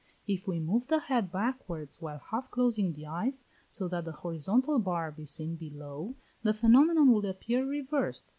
If we move the head backwards while half closing the eyes, so that the horizontal bar be seen below, the phenomenon will appear reversed.